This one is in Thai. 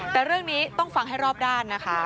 แต่เรื่องนี้ต้องฟังให้รอบด้านนะคะ